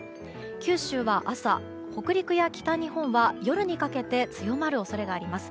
九州は朝北陸や北日本は夜にかけて強まる恐れがあります。